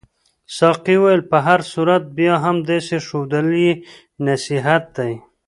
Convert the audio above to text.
ساقي وویل په هر صورت بیا هم داسې ښودل یې نصیحت دی.